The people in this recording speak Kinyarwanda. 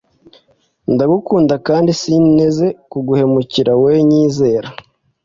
ndagukunda kandi sinteze kuguhemukira wowe nyizera